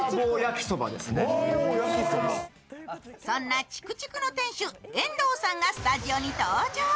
そんな竹竹の店主、遠藤さんがスタジオに登場。